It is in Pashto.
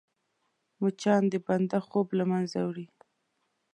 مچان د بنده خوب له منځه وړي